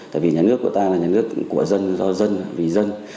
tại vì nhà nước của ta là nhà nước của dân do dân vì dân